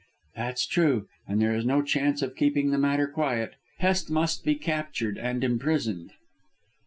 "That's true, and there is no chance of keeping the matter quiet. Hest must be captured and imprisoned."